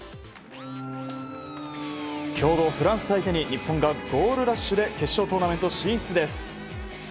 強豪フランス相手に日本男子がゴールラッシュで決勝トーナメント進出です。